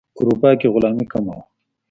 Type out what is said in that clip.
اروپا کې غلامي کمه وه.